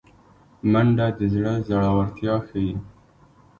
منډه د زړه زړورتیا ښيي